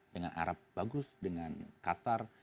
dengan arab bagus dengan qatar